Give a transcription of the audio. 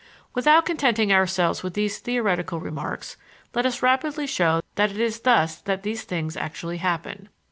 Without contenting ourselves with these theoretical remarks, let us rapidly show that it is thus that these things actually happen.